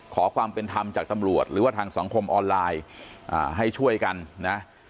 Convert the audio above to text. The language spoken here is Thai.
ขอความเป็นธรรมจากตำรวจหรือว่าทางสังคมออนไลน์ให้ช่วยกันนะ